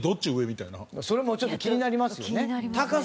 それもちょっと気になりますよね。